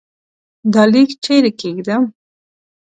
دا لیک چيري کښېږدم ؟